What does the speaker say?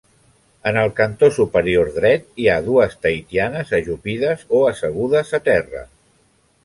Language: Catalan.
En el cantó superior dret hi ha dues tahitianes ajupides o assegudes a terra.